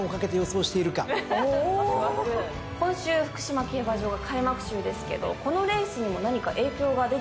今週福島競馬場開幕週ですけどこのレースにも何か影響が出てきますか？